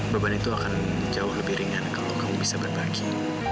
beban itu akan jauh lebih ringan kalau kamu bisa berbagi